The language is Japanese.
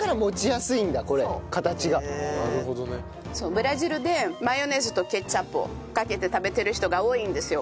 ブラジルでマヨネーズとケチャップをかけて食べてる人が多いんですよ。